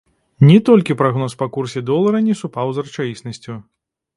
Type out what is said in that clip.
Не толькі прагноз па курсе долара не супаў з рэчаіснасцю.